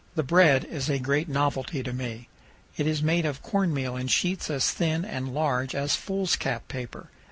The bread is a great novelty to me. It is made of corn meal in sheets as thin and large as foolscap paper.